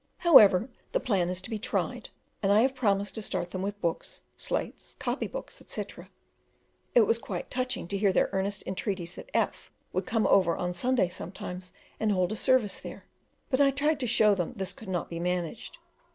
However, the plan is to be tried, and I have promised to start them with books, slates, copybooks, etc. It was quite touching to hear their earnest entreaties that F would come over on Sunday sometimes and hold a service there, but I tried to show them this could not be managed.